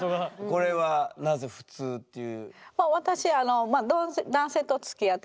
これはなぜ「ふつう」っていう。